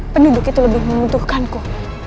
penduduk itu lebih membutuhkanku